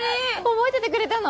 覚えててくれたの？